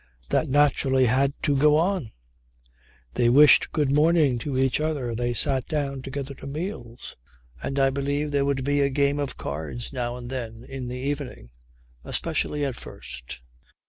That naturally had to go on. They wished good morning to each other, they sat down together to meals and I believe there would be a game of cards now and then in the evening, especially at first.